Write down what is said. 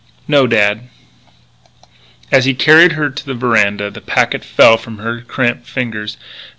"No, dad." As he carried her to the veranda the packet fell from her cramped fingers.